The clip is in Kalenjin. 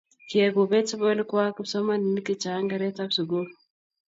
kiyai kuubet sobonwek kwak kipsomaninik che chang' keretab sukul